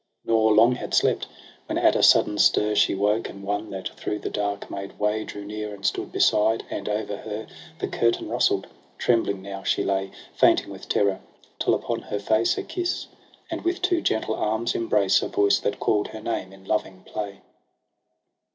I04 EROS ef PSYCHE ' Nor long had slept, when at a sudden stir She woke ; and one, that thro' the dark made way. Drew near, and stood beside ; and over her The curtain rustl'd. Trembling now she lay. Fainting with terror : till upon her face A kiss, and with two gentle arms' embrace, A voice that call'd her name in loving play.